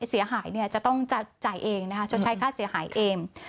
เสียหายเนี่ยจะต้องจ่ายเองนะคะชดใช้ค่าเสียหายเอง